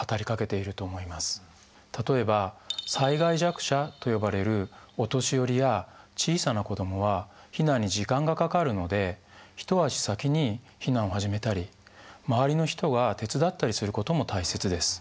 例えば災害弱者と呼ばれるお年寄りや小さな子どもは避難に時間がかかるので一足先に避難を始めたり周りの人が手伝ったりすることも大切です。